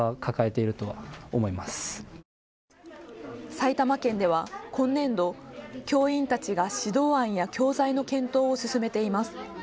埼玉県では今年度、教員たちが指導案や教材の検討を進めています。